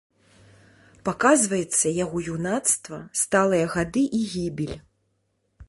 Паказваецца яго юнацтва, сталыя гады і гібель.